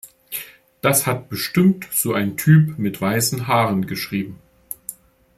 Das hat bestimmt so ein Typ mit weißen Haaren geschrieben.